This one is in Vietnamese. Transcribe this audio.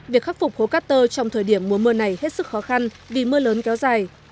việc khắc phục hố cát tơ trong thời điểm mùa mưa này hết sức khó khăn vì mưa lớn kéo dài